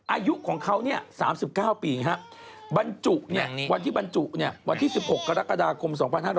อายุของเขาเนี่ย๓๙ปีบรรจุเนี่ยวันที่บรรจุเนี่ยวันที่๑๖กรกฎาคม๒๕๔๙